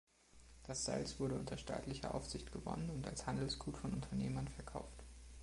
Das Salz wurde unter staatlicher Aufsicht gewonnen und als Handelsgut von Unternehmern verkauft.